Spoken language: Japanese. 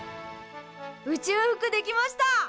宇宙服できました！